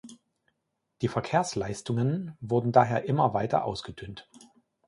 Die Verkehrsleistungen wurden daher immer weiter ausgedünnt.